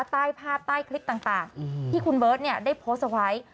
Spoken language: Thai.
ใต้ภาพใต้คลิปต่างที่คุณเบิร์ตได้โพสต์เอาไว้